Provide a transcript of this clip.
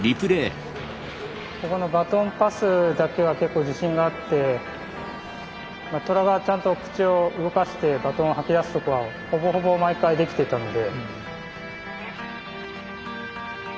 ここのバトンパスだけは結構自信があってトラがちゃんと口を動かしてバトンを吐き出すとこはほぼほぼ毎回できてたので。